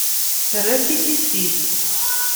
Terra-tt i tissit.